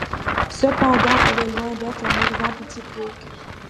Cependant elle est loin d'être un exemple typique.